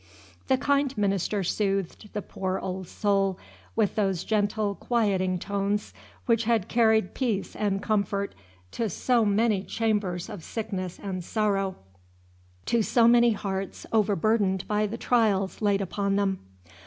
The kind minister soothed the poor old soul with those gentle, quieting tones which had carried peace and comfort to so many chambers of sickness and sorrow, to so many hearts overburdened by the trials laid upon them.